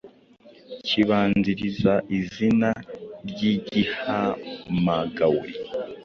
kibanziriza izina ry’igihamagawe